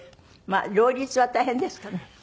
両立は大変ですかね？